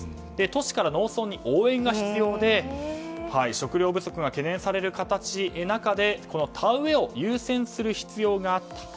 都市から農村に応援が必要で食糧不足が懸念される中で田植えを優先する必要があった。